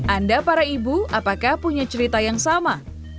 anda para ibu apakah punya cerita yang sama